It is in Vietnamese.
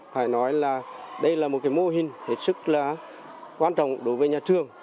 phải nói là đây là một cái mô hình hết sức là quan trọng đối với nhà trường